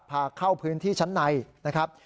พาเข้าพื้นที่ชั้นในนะครับ